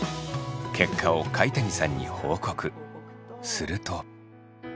すると。